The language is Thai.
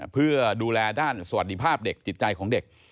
เพื่อดูแลด้านสวัสดิภาพเด็กจิตใจของเด็ก